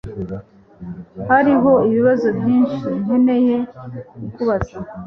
Hariho ibibazo byinshi nkeneye kukubaza.